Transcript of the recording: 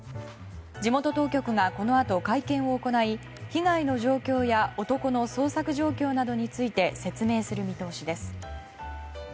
地元当局がこのあと会見を行い被害の状況や男の捜索状況などについて説明する見通しです。